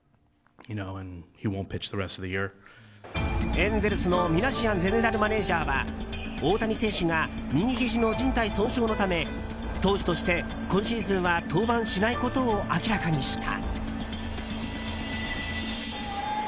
エンゼルスのミナシアンゼネラルマネジャーは大谷選手が右ひじのじん帯損傷のため投手として今シーズンは登板しないことを明らかにした。